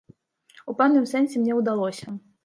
У пэўным сэнсе мне ўдалося.